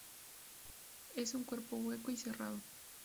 Es un cuerpo hueco y cerrado.